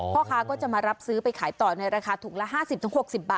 พ่อก็จะมัรับซื้อไปขายต่อในราคาทุกละ๕๐๖๐แบบ